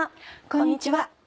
こんにちは。